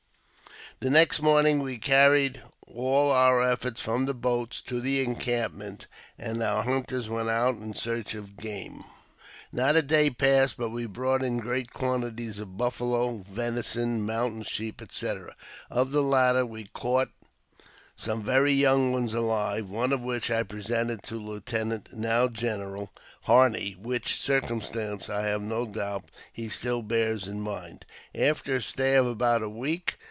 The next morning we carried all our effects from the boats to the encampment, and our hunters went out in search of game. Not a day passed but we brought in great quantities of buffalo, venison, mountain sheep, &c. Of the latter, we caught some very young ones alive, one of which I presented to Lieutenant (now General) Harney, which circumstance, I have no doubt, he still bears in mind. After a stay of about a week.